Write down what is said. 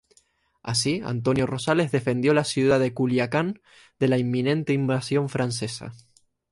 Así Antonio Rosales defendió la Ciudad de Culiacán de la inminente invasión francesa.